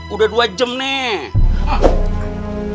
udah dua jam nih